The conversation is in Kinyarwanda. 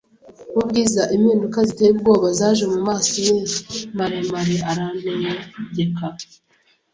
ubwiza, impinduka ziteye ubwoba zaje mumaso ye maremare, arantegeka